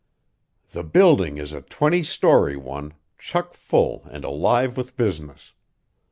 "The building is a twenty story one, chuck full and alive with business.